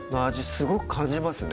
すごく感じますね